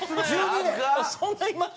そんないました？